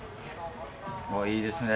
いいですね。